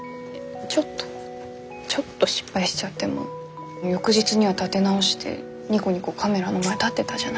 ちょっとちょっと失敗しちゃっても翌日には立て直してニコニコカメラの前立ってたじゃないですか。